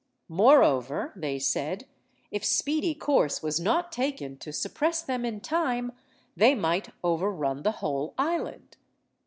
Moreover, they said, if speedy course was not taken to suppress them in time, they might overrun the whole island.